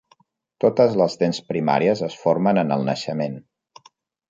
Totes les dents primàries es formen en el naixement.